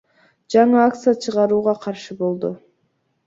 жаңы акция чыгарууга каршы болду.